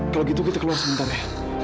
kalau gitu kita keluar sebentar ya